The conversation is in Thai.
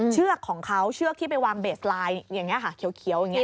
เชือกของเขาเชือกที่ไปวางเบสไลน์อย่างนี้ค่ะเขียวอย่างนี้